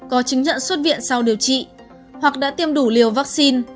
có chứng nhận xuất viện sau điều trị hoặc đã tiêm đủ liều vaccine